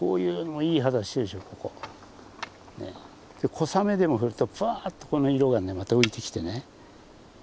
小雨でも降るとぷわっとこの色がまた浮いてきてね。